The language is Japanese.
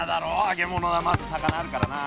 揚げ物はまず魚あるからな。